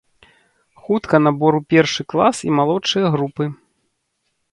Хутка набор у першы клас і малодшыя групы!